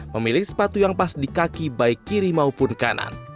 memilih sepatu yang pas di kaki baik kiri maupun kanan